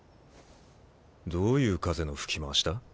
どういう風の吹き回しだ？